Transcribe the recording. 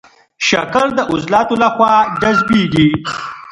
شکر د عضلاتو له خوا جذبېږي.